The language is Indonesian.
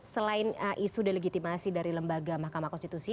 selain isu delegitimasi dari lembaga mahkamah konstitusi